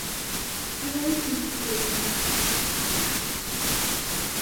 Sería difícil pedir más".